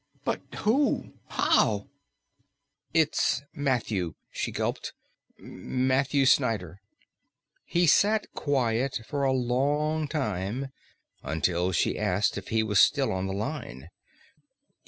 "But who how " "It's Matthew," she gulped. "Matthew Snyder." He sat quiet for a long while, until she asked if he was still on the line.